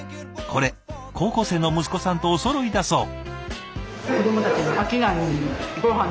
これ高校生の息子さんとおそろいだそう。